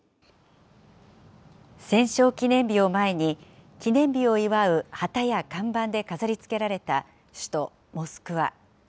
戦勝記念日を前に、記念日を祝う旗や看板で飾りつけられた首都モスクワ。